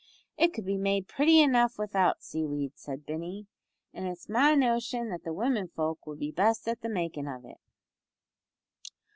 "It could be made pritty enough without seaweed," said Binney, "an' it's my notion that the women folk would be best at makin' of it."